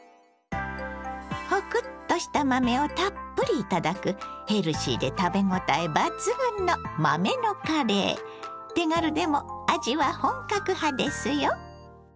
ホクッとした豆をたっぷり頂くヘルシーで食べごたえ抜群の手軽でも味は本格派ですよ。